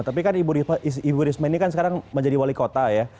tapi kan ibu risma ini kan sekarang menjadi wali kota ya